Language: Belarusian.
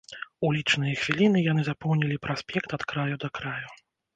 У лічаныя хвіліны яны запоўнілі праспект ад краю да краю.